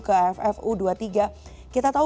ke ffu dua tiga kita tahu